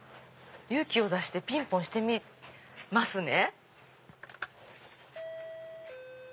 勇気を出してピンポン押してみますね。